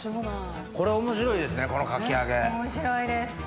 これ面白いですね